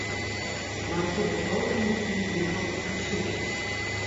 Meitsje de folgjende fiif rigels kursyf.